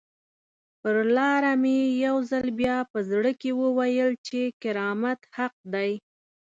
پر لاره مې یو ځل بیا په زړه کې وویل چې کرامت حق دی.